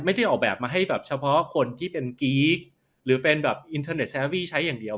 ไม่ได้ออกแบบมาให้แบบเฉพาะคนที่เป็นกี๊กหรือเป็นแบบอินเทอร์เน็ตแซอรี่ใช้อย่างเดียว